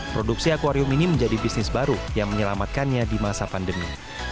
produksi akwarium ini menjadi bisnis baru yang menyelamatkannya di masa pandemi